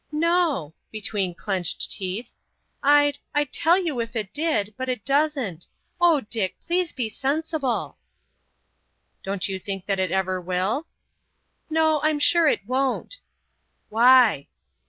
"No!" between clenched teeth. "I'd—I'd tell you if it did; but it doesn't, Oh, Dick, please be sensible." "Don't you think that it ever will?" "No, I'm sure it won't." "Why?"